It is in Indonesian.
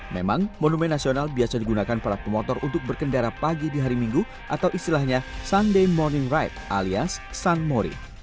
memang monumen nasional biasa digunakan para pemotor untuk berkendara pagi di hari minggu atau istilahnya sunday morning right alias sun mory